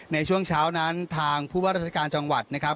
ในช่วงเช้านั้นทางผู้ว่าราชการจังหวัดนะครับ